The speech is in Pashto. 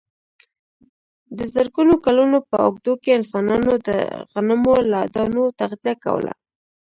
د زرګونو کلونو په اوږدو کې انسانانو د غنمو له دانو تغذیه کوله.